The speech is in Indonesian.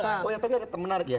oh ya tapi menarik ya